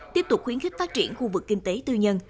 tiếp tục khuyến khích phát triển khu vực kinh tế tư nhân